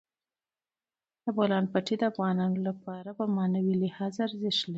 د بولان پټي د افغانانو لپاره په معنوي لحاظ ارزښت لري.